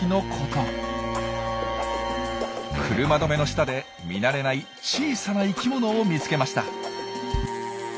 車止めの下で見慣れない小さな生きものを見つけました。